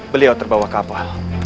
beliau terbawa kapal